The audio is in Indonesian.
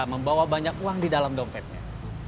membawa banyak uang di dalam dompetnya